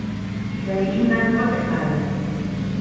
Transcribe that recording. Ich werde Ihnen das Wort erteilen.